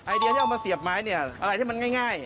เดียที่เอามาเสียบไม้เนี่ยอะไรที่มันง่าย